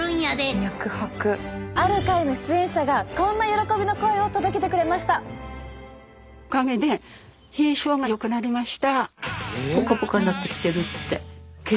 ある回の出演者がこんな喜びの声を届けてくれました。